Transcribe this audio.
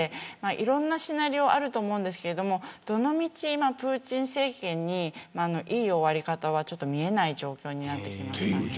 いろいろなシナリオあると思うんですがどのみち、プーチン政権にいい終わり方は見えない状況になっています。